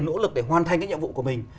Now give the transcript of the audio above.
nỗ lực để hoàn thành cái nhiệm vụ của mình